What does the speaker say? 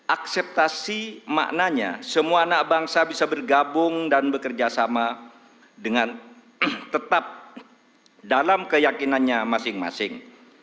akseptasi maknanya semua anak bangsa bisa bergabung dan bekerja sama dengan tetap dalam keyakinannya masing masing